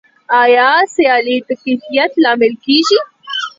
آیا سیالي د کیفیت لامل کیږي؟